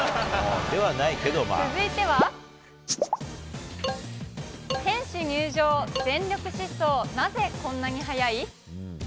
続いては、選手入場、全力疾走、なぜこんなに速い？